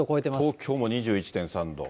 東京も２１．３度。